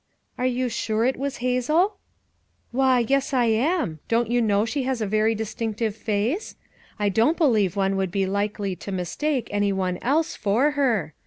"Are you sure it was Hazel?" "Why, yes, I am. Don't you think she has a very distinctive face? I don't believe one would be likely to mistake any one else for her.